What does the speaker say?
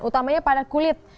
utamanya pada kulit